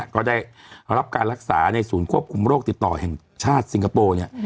ก็ได้รับการรักษาในศูนย์ควบคุมโรคติดต่อแห่งชาติสิงคโปร์เนี่ย